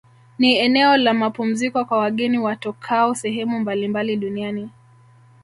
Ni eneo la mapumziko kwa wageni watokao sehemu mbalimbali duniani